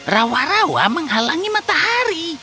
rawa rawa menghalangi matahari